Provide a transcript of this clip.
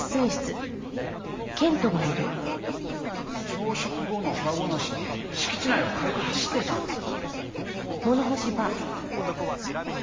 朝食後の腹ごなしに敷地内を軽く走っていたんです。